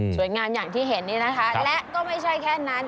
อย่างที่เห็นนี่นะคะและก็ไม่ใช่แค่นั้น